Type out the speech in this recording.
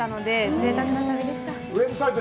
ぜいたくな旅でした。